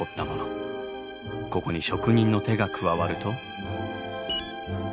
ここに職人の手が加わると。